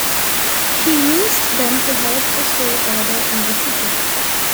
He used them to help restore order in the city.